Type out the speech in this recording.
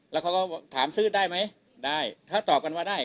แล้วเขาก็ถามซื้อได้ไหมได้ถ้าตอบกันว่าได้